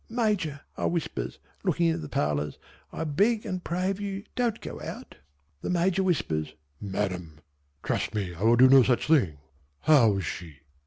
"Major," I whispers, looking in at the parlours, "I beg and pray of you don't go out." The Major whispers, "Madam, trust me I will do no such a thing. How is she?"